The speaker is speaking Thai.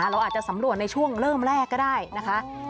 เราอาจจะสำรวจในช่วงเริ่มแรกก็ได้นะคะ